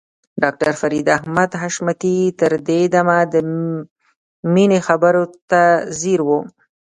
ډاکټر فريد احمد حشمتي تر دې دمه د مينې خبرو ته ځير و.